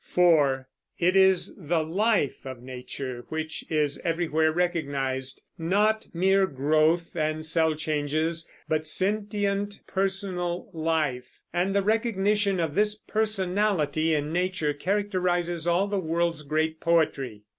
(4) It is the life of nature which is everywhere recognized; not mere growth and cell changes, but sentient, personal life; and the recognition of this personality in nature characterizes all the world's great poetry.